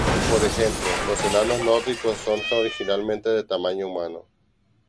Por ejemplo, los enanos nórdicos son originalmente de tamaño humano.